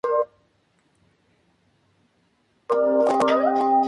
Una vez se produjo la reunificación alemana, la empresa fue desmantelada.